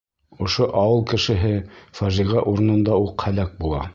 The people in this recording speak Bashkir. Ошо ауыл кешеһе фажиғә урынында уҡ һәләк була.